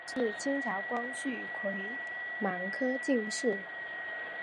胡商彝是清朝光绪癸卯科进士。